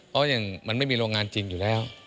เพราะอย่างมันไม่มีโรงงานจริงอยู่แล้ว